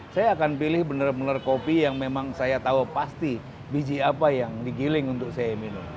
saya akan pilih benar benar kopi yang memang saya tahu pasti biji apa yang digiling untuk saya minum